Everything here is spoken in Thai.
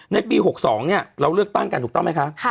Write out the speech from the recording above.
ในปี๖๒เราเลือกตั้งกันถูกต้องไหมคะ